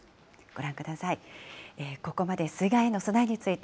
ご覧ください。